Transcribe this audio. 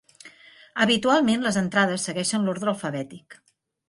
Habitualment les entrades segueixen l'ordre alfabètic.